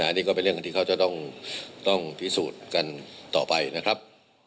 อันนี้ก็เป็นเรื่องที่เขาจะต้องพิสูจน์กันต่อไปนะครับ